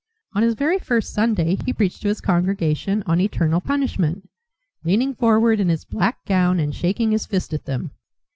On his very first Sunday he preached to his congregation on eternal punishment, leaning forward in his black gown and shaking his fist at them.